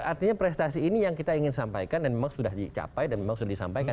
artinya prestasi ini yang kita ingin sampaikan dan memang sudah dicapai dan memang sudah disampaikan